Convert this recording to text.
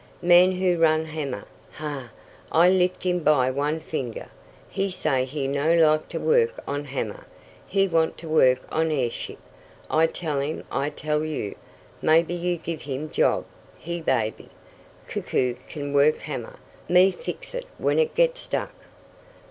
"Man who run hammer. Ha! I lift him by one finger! He say he no like to work on hammer. He want to work on airship. I tell him I tell you, maybe you give him job he baby! Koku can work hammer. Me fix it when it get stuck."